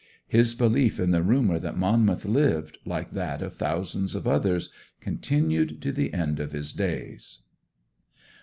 His belief in the rumour that Monmouth lived, like that of thousands of others, continued to the end of his days.